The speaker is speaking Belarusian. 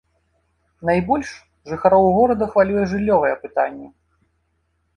Найбольш жыхароў горада хвалюе жыллёвае пытанне.